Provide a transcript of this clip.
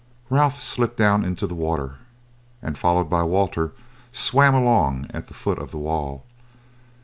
Ralph slipped down into the water, and followed by Walter swam along at the foot of the wall.